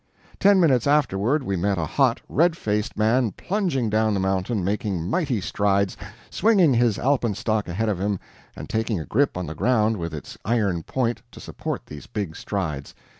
Ten minutes afterward we met a hot, red faced man plunging down the mountain, making mighty strides, swinging his alpenstock ahead of him, and taking a grip on the ground with its iron point to support these big strides.